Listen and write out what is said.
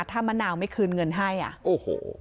ถ้ามะนาวไม่คืนเงินให้อ่ะ